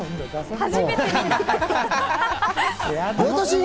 初めて見た。